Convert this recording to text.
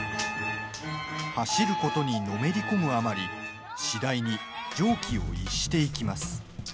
走ることに、のめり込むあまり次第に常軌を逸していきます。